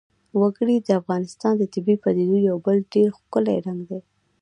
وګړي د افغانستان د طبیعي پدیدو یو بل ډېر ښکلی رنګ دی.